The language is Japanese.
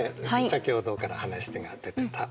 先ほどから話が出てた